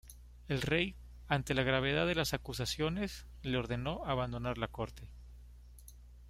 El rey, ante la gravedad de las acusaciones, le ordenó abandonar la corte.